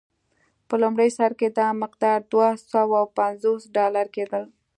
په لومړي سر کې دا مقدار دوه سوه پنځوس ډالر کېدل.